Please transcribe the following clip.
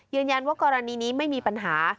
ยืนยันว่ากรณีนี้ไม่มีปัญหา